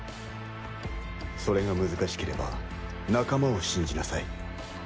それが難しければ仲間を信じなさい。